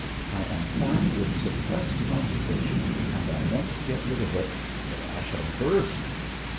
I am fat with suppressed conversation, and I must get rid of it, or I shall burst."